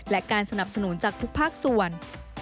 และการสนับสนุนจากทุกภาคส่วน